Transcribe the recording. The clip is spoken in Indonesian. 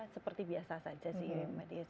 seperti biasa saja sih